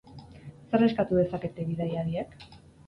Zer eskatu dezakete bidaiariek?